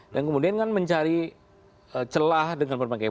dan kemudian kan mencari celah dengan pemakaian